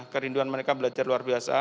kerinduan mereka belajar luar biasa